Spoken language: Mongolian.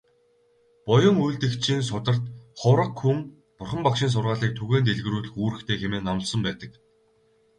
Буян үйлдэгчийн сударт "Хувраг хүн Бурхан багшийн сургаалыг түгээн дэлгэрүүлэх үүрэгтэй" хэмээн номлосон байдаг.